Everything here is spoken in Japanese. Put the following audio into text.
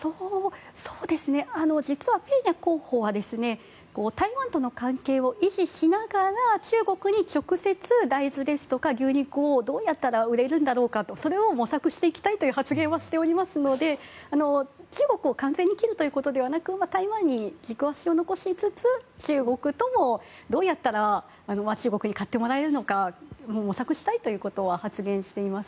実は、ペニャ候補は台湾との関係を維持しながら中国に直接大豆ですとか牛肉をどうやったら売れるんだろうかと模索していきたいという発言はしていますので中国を完全に切ることではなく台湾との関係を残しつつどうやったら中国に買ってもらうのか模索したいということは発言しています。